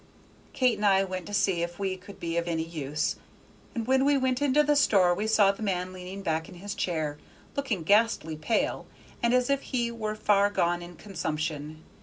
Kate and I went to see if we could be of any use, and when we went into the store we saw the man leaning back in his chair, looking ghastly pale, and as if he were far gone in consumption.